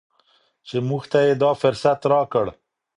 چې موږ ته یې دا فرصت راکړ.